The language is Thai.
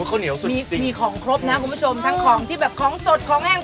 ข้าวเหนียวสุดมีมีของครบนะคุณผู้ชมทั้งของที่แบบของสดของแห้ง